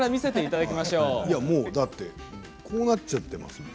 だってこうなっちゃっていますもん。